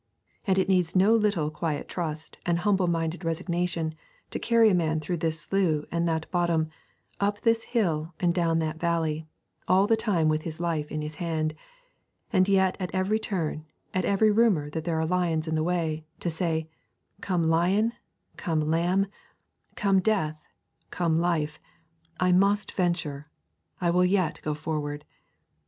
And it needs no little quiet trust and humble minded resignation to carry a man through this slough and that bottom, up this hill and down that valley, all the time with his life in his hand; and yet at every turn, at every rumour that there are lions in the way, to say, Come lion, come lamb, come death, come life, I must venture, I will yet go forward.